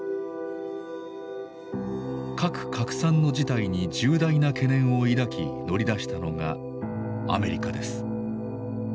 核拡散の事態に重大な懸念を抱き乗り出したのがアメリカです。